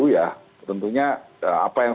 ya tentunya apa yang